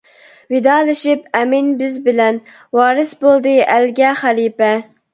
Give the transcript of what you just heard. ۋىدالىشىپ ئەمىن بىز بىلەن، ۋارىس بولدى ئەلگە خەلىپە.